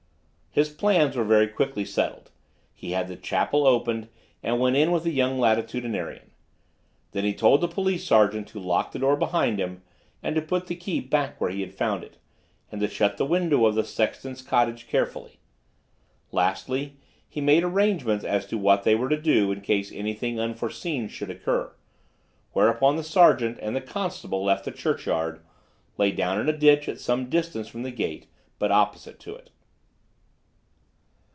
His plans were very quickly settled. He had the chapel opened and went in with the young Latitudinarian; then he told the police sergeant to lock the door behind him and to put the key back where he had found it, and to shut the window of the sexton's cottage carefully. Lastly, he made arrangements as to what they were to do in case anything unforeseen should occur, whereupon the sergeant and the constable left the churchyard, and lay down in a ditch at some distance from the gate, but opposite to it.